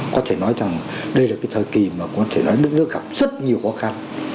có thể nói rằng đây là cái thời kỳ mà có thể nói đất nước gặp rất nhiều khó khăn